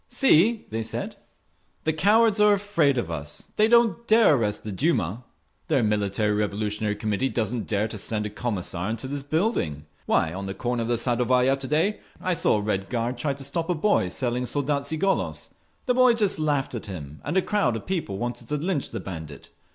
"See!" they said. "The cowards are afraid of us. They don't dare arrest the Duma! Their Military Revolutionary Committee doesn't dare to send a Commissar into this building. Why, on the corner of the Sadovaya to day, I saw a Red Guard try to stop a boy selling Soldatski Golos…. The boy just laughed at him, and a crowd of people wanted to lynch the bandit.